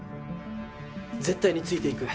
絶対についていく！